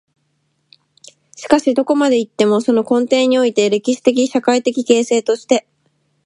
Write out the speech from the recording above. しかしどこまで行っても、その根底において、歴史的・社会的形成として、